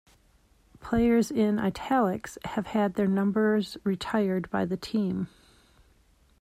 Players in "Italics" have had their numbers retired by the team.